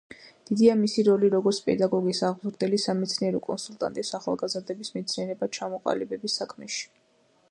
დიდია მისი როლი როგორც პედაგოგის, აღმზრდელის, სამეცნიერო კონსულტანტის ახალგაზრდების მეცნიერებად ჩამოყალიბების საქმეში.